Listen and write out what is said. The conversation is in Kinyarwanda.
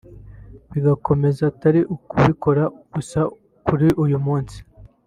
bigakomeza atari ukubikora gusa kuri uyu munsi